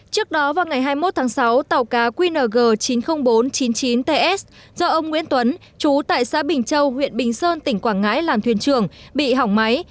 trước đó vào ngày hai mươi một tháng sáu tàu cá qng chín mươi nghìn bốn trăm chín mươi chín ts do ông nguyễn tuấn chú tại xã bình châu huyện bình sơn tỉnh quảng ngãi làm thuyền trưởng bị hỏng máy